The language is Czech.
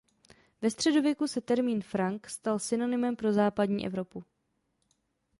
Ve středověku se termín Frank stal synonymem pro západní Evropu.